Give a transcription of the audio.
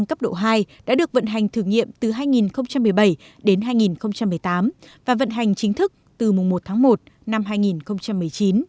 cấp độ hai đã được vận hành thử nghiệm từ hai nghìn một mươi bảy đến hai nghìn một mươi tám và vận hành chính thức từ mùng một tháng một năm hai nghìn một mươi chín